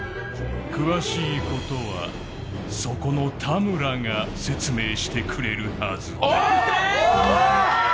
詳しいことはそこの田村が説明してくれるはずだ。